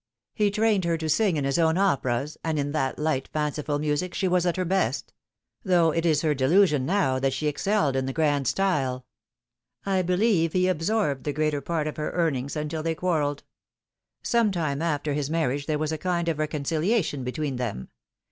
He trained her to sing in his own operas, and in that light, fanciful music she was at her best ; though it is her delusion now that she excelled in the grand style. I believe he absorbed the greater part of her earnings, until they quarrelled. Some time after his marriage there was a kind of reconciliation between them.